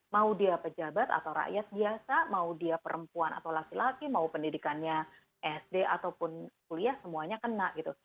mau dia pejabat atau rakyat biasa mau dia perempuan atau laki laki mau pendidikannya sd ataupun kuliah semuanya kena gitu